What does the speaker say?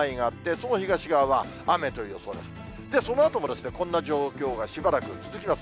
そのあともこんな状況がしばらく続きます。